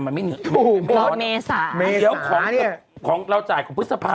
หนูอุตส่ะรีบเก็บผ้าเลยเก็บผ้า